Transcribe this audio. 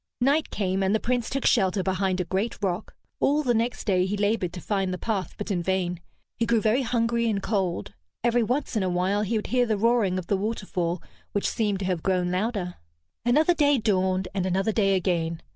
Night came, and the Prince took shelter behind a great rock. All the next day he labored to find the path, but in vain. He grew very hungry and cold. Every once in a while he would hear the roaring of the waterfall, which seemed to have grown louder. Another day dawned, and another day again.